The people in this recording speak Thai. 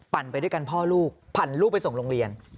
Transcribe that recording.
ไปด้วยกันพ่อลูกปั่นลูกไปส่งโรงเรียน